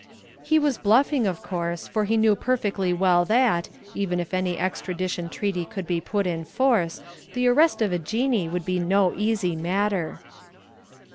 He was bluffing, of course, for he knew perfectly well that, even if any extradition treaty could be put in force, the arrest of a Jinnee would be no easy matter.